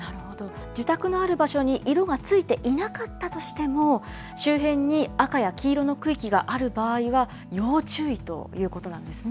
自宅のある場所に色がついていなかったとしても周辺に赤や黄色の区域がある場合は要注意ということなんですね